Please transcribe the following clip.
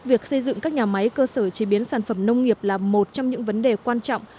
việc xây dựng các nhà máy cơ sở chế biến sản phẩm nông nghiệp là một trong những vấn đề quan trọng